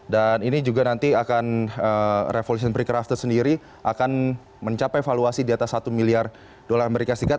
dan ini juga nanti akan revolution precrafted sendiri akan mencapai valuasi di atas satu miliar usd